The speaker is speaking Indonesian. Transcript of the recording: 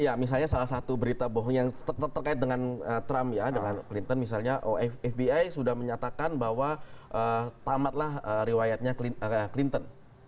ya misalnya salah satu berita bohong yang terkait dengan trump ya dengan clinton misalnya fbi sudah menyatakan bahwa tamatlah riwayatnya clinton